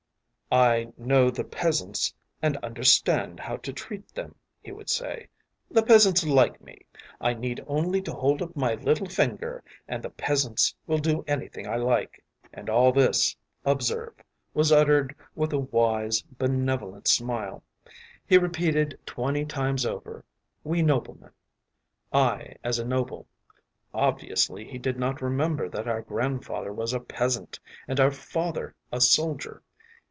’ “‘I know the peasants and understand how to treat them,’ he would say. ‘The peasants like me. I need only to hold up my little finger and the peasants will do anything I like.’ “And all this, observe, was uttered with a wise, benevolent smile. He repeated twenty times over ‘We noblemen,’ ‘I as a noble’; obviously he did not remember that our grandfather was a peasant, and our father a soldier.